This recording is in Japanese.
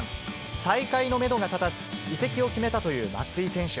再開のメドが立たず、移籍を決めたという松井選手。